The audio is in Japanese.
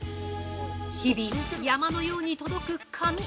日々、山のように届く紙。